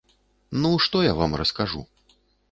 Ну, што я вам раскажу?